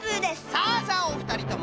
さあさあおふたりとも！